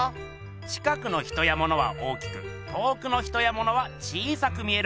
近くの人やものは大きく遠くの人やものは小さく見えるはずが。